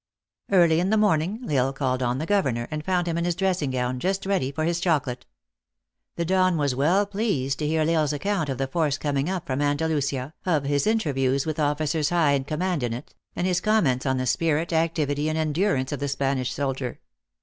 Early in the morning, L Isle called on the governor, and found him in his dressing gown, just ready for his chocolate. The Don was well pleased to hear L Isle s account of the force coming up from Andalusia, of his interviews with officers high in command in it, and his comments on the spirit, activity, arid endurance of the Spanish soldier.